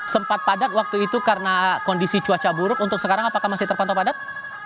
sempat padat waktu itu karena kondisi cuaca buruk untuk sekarang apakah masih terpantau padat